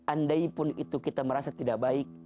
andaipun itu kita merasa tidak baik